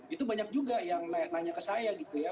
itu banyak juga yang nanya ke saya gitu ya